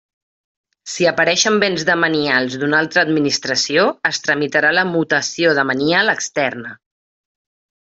Si apareixen béns demanials d'una altra administració, es tramitarà la mutació demanial externa.